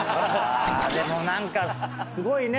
でも何かすごいね。